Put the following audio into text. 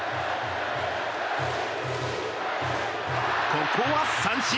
ここは三振。